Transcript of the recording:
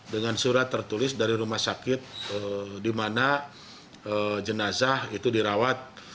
dengan surat tertulis dari rumah sakit di mana jenazah itu dirawat